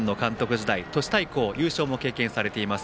時代都市対抗優勝も経験されています